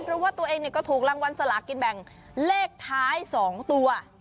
เพราะว่าตัวเองก็ถูกรางวัลสลากินแบ่งเลขท้าย๒ตัว